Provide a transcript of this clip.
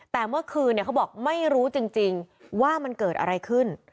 แต่เมื่อคืนเขาบอกไม่รู้จริงว่ามันเกิดอะไรขึ้น